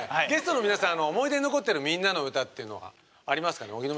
ゲストの皆さんの思い出に残ってる「みんなのうた」っていうのはありますかね？